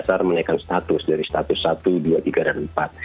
pasar menaikkan status dari status satu dua tiga dan empat